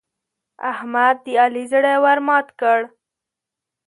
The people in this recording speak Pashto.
احمد د علي زړه ور مات کړ.